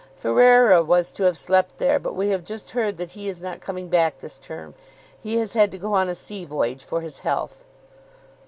"Fereira was to have slept there, but we have just heard that he is not coming back this term. He has had to go on a sea voyage for his health."